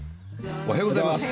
おはようございます。